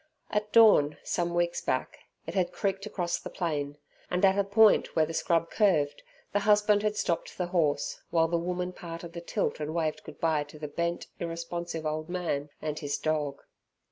At dawn some weeks back it had creaked across the plain, and at a point where the scrub curved, the husband had stopped the horse while the woman parted the tilt and waved goodbye to the bent, irresponsive old man and his dog.